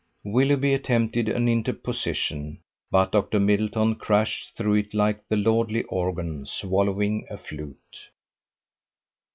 Willoughby attempted an interposition, but Dr. Middleton crashed through it like the lordly organ swallowing a flute.